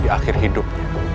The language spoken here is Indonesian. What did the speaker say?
di akhir hidupnya